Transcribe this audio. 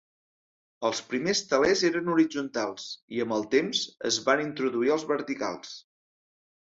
Els primers telers eren horitzontals, i amb el temps es van introduir els verticals.